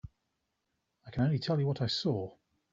I can only tell you what I saw.